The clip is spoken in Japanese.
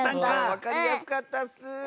わかりやすかったッス！